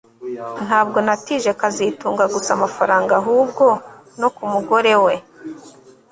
Ntabwo natije kazitunga gusa amafaranga ahubwo no ku mugore we